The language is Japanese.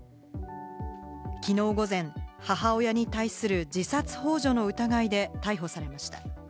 きのう午前、母親に対する自殺ほう助の疑いで逮捕されました。